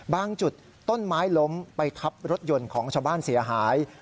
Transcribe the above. จุดต้นไม้ล้มไปทับรถยนต์ของชาวบ้านเสียหาย